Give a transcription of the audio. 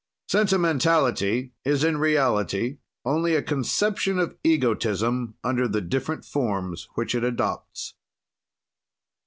Sentimentality is in reality only a conception of egotism, under the different forms which it adopts.